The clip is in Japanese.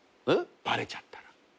バレちゃったら。